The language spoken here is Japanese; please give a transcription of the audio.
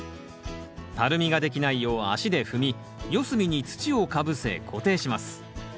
たるみができないよう足で踏み四隅に土をかぶせ固定します。